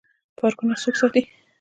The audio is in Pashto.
پارکونه څوک ساتي؟